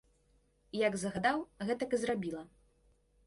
Як загадаў, гэтак і зрабіла.